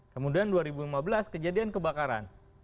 kemudian dua ribu lima belas kejadian kebakaran